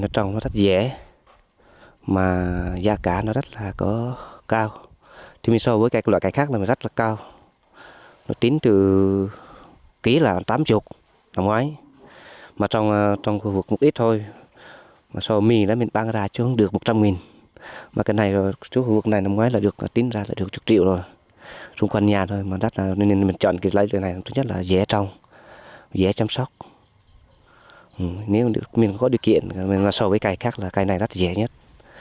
trong khu vực một ít thôi mà so với mình mình bán ra chứ không được một trăm linh nghìn mà cái này trong khu vực này năm ngoái là được tính ra là được một mươi triệu rồi chung quanh nhà thôi nên mình chọn cái này thứ nhất là dễ trồng dễ chăm sóc nếu mình có điều kiện mà so với cây khác là cây này rất dễ nhất